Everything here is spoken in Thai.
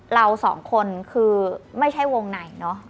เราสองคนคือไม่ใช่วงในเนอะ